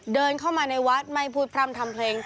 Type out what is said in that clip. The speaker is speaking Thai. เดินเข้ามาในวัดไม่พูดพร่ำทำเพลง